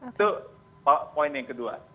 itu poin yang kedua